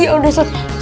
hah yaudah ustadz